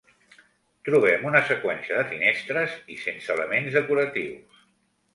Trobem una seqüència de finestres i sense elements decoratius.